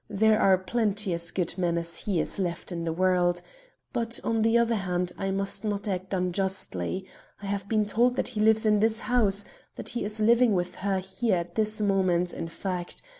There are plenty as good men as he left in the world; but, on the other hand, I must not act unjustly. I have been told that he lives in this house that he is living with her here at this moment, in fact.